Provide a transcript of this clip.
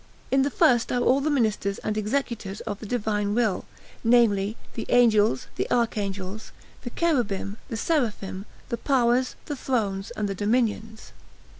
In the first are all the ministers and executors of the Divine Will, namely, the Angels, the Archangels, the Cherubim, the Seraphim, the Powers, the Thrones, and the Dominions.